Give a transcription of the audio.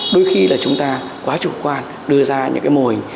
đôi khi là chúng ta quá chủ quan đưa ra những cái mô hình